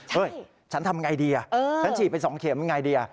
เฮ้ยฉันทำยังไงดีฉันฉีดไป๒เข็มยังไงดี